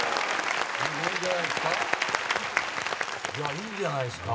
いいんじゃないですか？